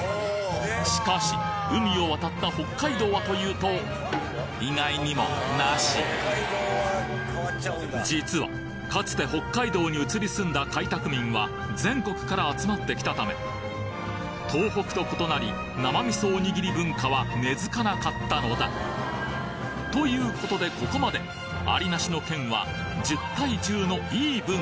しかし海を渡った北海道はというと意外にもナシ実はかつて北海道に移り住んだ開拓民は全国から集まってきたため東北と異なり生味噌おにぎり文化は根付かなかったのだということでここまでアリナシの県は１０対１０のイーブン